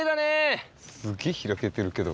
すげぇ開けてるけど。